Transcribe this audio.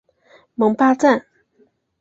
蒙巴赞。